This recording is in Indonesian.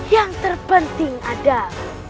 yang terpenting adalah